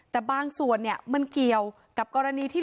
แต่บางส่วนเนี่ยมันเกี่ยวกับกรณีที่